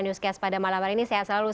newscast pada malam hari ini sehat selalu